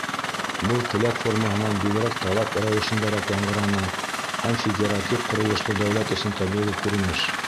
Был теләк формаһынан бигерәк талап рәүешендәрәк яңғыраны һәм федератив ҡоролошло дәүләт өсөн тәбиғи күренеш.